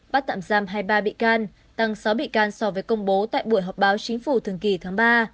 bắt tạm giam hai mươi ba bị can tăng sáu bị can so với công bố tại buổi họp báo chính phủ thường kỳ tháng ba